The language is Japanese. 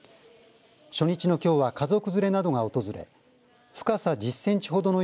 初日のきょうは家族連れなどが訪れ深さ１０センチほどの